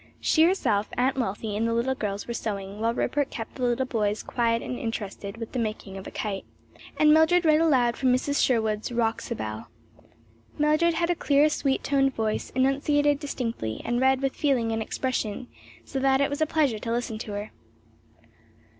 She, herself, Aunt Wealthy and the little girls were sewing, while Rupert kept the little boys quiet and interested with the making of a kite, and Mildred read aloud from Mrs. Sherwood's "Roxobelle." Mildred had a clear, sweet toned voice, enunciated distinctly, and read with feeling and expression; so that it was a pleasure to listen to her.